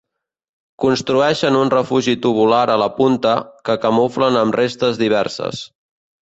Construeixen un refugi tubular a la punta, que camuflen amb restes diverses.